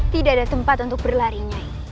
tidak ada tempat untuk berlari nyai